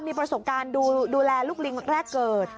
มีประสบการณ์ดูแลลูกลิงแรกเกิด